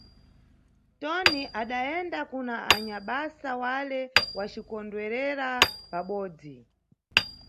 Toni adayenda kuna anyabasa wale wacikondwerera pabodzi.